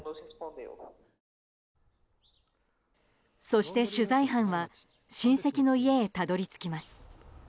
そして取材班は親戚の家へたどり着きます。